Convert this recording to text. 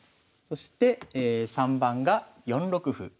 そして３番が４六歩。